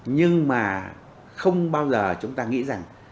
nhưng mà không bao giờ chúng ta nghĩ rằng